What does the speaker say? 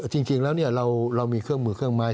จริงแล้วเรามีเครื่องมือเครื่องไม้